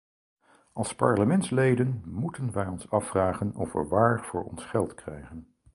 Als parlementsleden moeten wij ons afvragen of we waar voor ons geld krijgen.